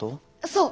そう！